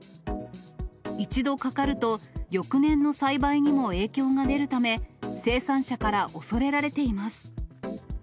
一度かかると、翌年の栽培にも影響が出るため、生産者から恐れられています。